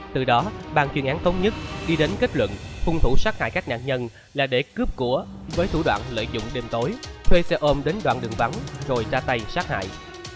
từ đó bàn chuyên án thống nhất đi đến kết luận phung thủ sát hại các nạn nhân là để cướp của với thủ đoạn lợi dụng đêm tối thuê xe ôm đến đoạn đường vắng rồi ra tay sát hại